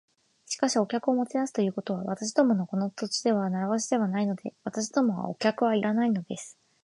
「しかし、お客をもてなすということは、私どものこの土地では慣わしではないので。私どもはお客はいらないのです」